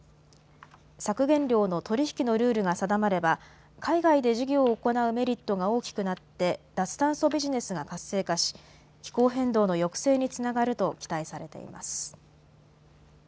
削減量の取り引きのルールが定まれば海外で事業を行うメリットが大きくなって脱炭素ビジネスが活性化し気候変動の抑制につながると期待されています。